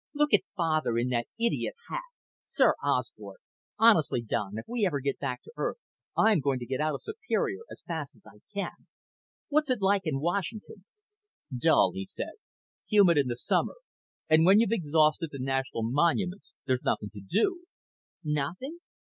Look at Father in that idiot hat. Sir Osbert! Honestly, Don, if we ever get back to Earth I'm going to get out of Superior as fast as I can. What's it like in Washington?" "Dull," he said. "Humid in the summer. And when you've exhausted the national monuments there's nothing to do." "Nothing?